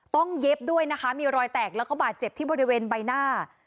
เย็บด้วยนะคะมีรอยแตกแล้วก็บาดเจ็บที่บริเวณใบหน้า